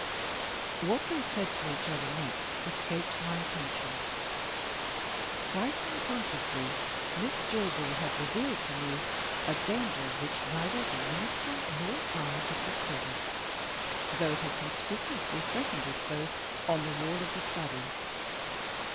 What they said to each other next escaped my attention. Quite unconsciously, Miss Jillgall had revealed to me a danger which neither the Minister nor I had discovered, though it had conspicuously threatened us both on the wall of the study.